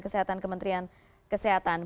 kesehatan kementerian kesehatan